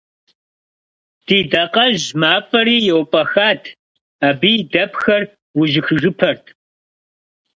Ди дакъэжь мафӏэри еупӏэхат, абы и дэпхэр ужьыхыжыпэрт.